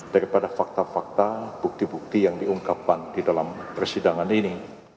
daripada fakta fakta bukti bukti yang diungkapkan di dalam persidangan ini